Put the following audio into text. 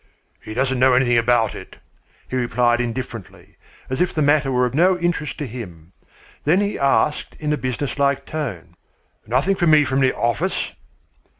"He doesn't know anything about it," he replied indifferently, as if the matter were of no interest to him. Then he asked in a businesslike tone: "Nothing for me from the office?"